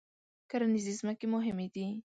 کرنیزې ځمکې مهمې دي.